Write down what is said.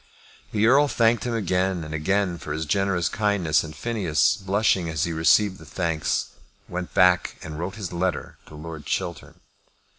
The Earl thanked him again and again for his generous kindness; and Phineas, blushing as he received the thanks, went back and wrote his letter to Lord Chiltern.